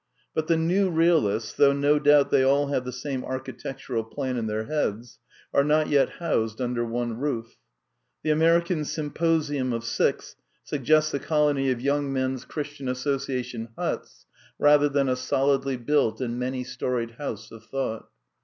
But the New Realists, though no doubt they all have the same architectural plan in their heads, are not yet housed under one roof. The American " Symposium of Six " suggests a colony of Young Men's 212 THE NEW REALISM 213 r^^^i^^^hristian Association Huts rather than a solidly built and V many storied house of thought.